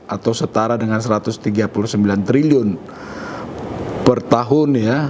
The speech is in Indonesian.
atau setara dengan satu ratus tiga puluh sembilan triliun per tahun ya